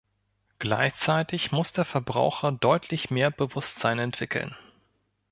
Gleichzeitig muss der Verbraucher deutlich mehr Bewusstsein entwickeln.